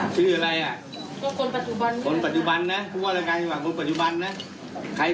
ก็เด็กบอกนะคะว่าเป็นผู้ว่าระการจังหวัดค่ะชื่ออะไรอ่ะ